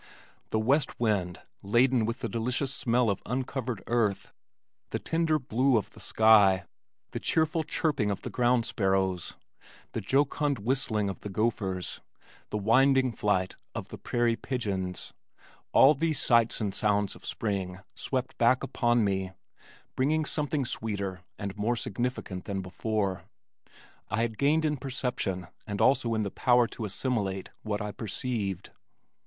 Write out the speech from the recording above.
The west wind, laden with the delicious smell of uncovered earth, the tender blue of the sky, the cheerful chirping of the ground sparrows, the jocund whistling of the gophers, the winding flight of the prairie pigeons all these sights and sounds of spring swept back upon me, bringing something sweeter and more significant than before. I had gained in perception and also in the power to assimilate what I perceived.